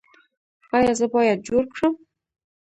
ایا زه باید جوړ کړم؟